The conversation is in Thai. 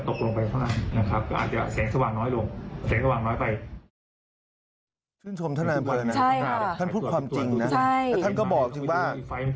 ท่านพูดความจริงนะท่านก็บอกจริงว่า